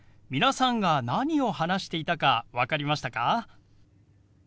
皆さんが何を話していたか分かりましたか？